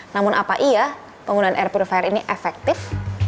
namun apa iya penggunaan air purifier ini efektif